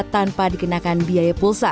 tanpa dikenakan biaya pulsa